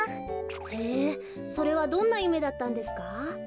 へえそれはどんなゆめだったんですか？